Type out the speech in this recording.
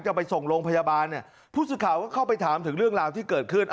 จะไปส่งโรงพยาบาลเนี่ยผู้สื่อข่าวก็เข้าไปถามถึงเรื่องราวที่เกิดขึ้น